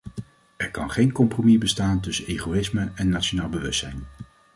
Er kan geen compromis bestaan tussen egoïsme en nationaal bewustzijn.